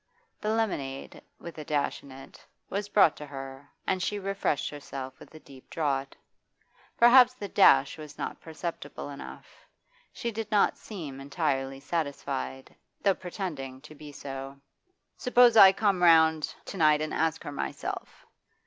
The lemonade with a dash in it was brought to her, and she refreshed herself with a deep draught. Perhaps the dash was not perceptible enough; she did not seem entirely satisfied, though pretending to be so. 'Suppose I come round to night and ask her myself?